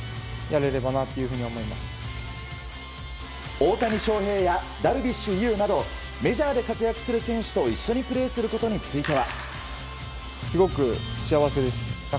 大谷翔平やダルビッシュ有などメジャーで活躍する選手と一緒にプレーすることについては。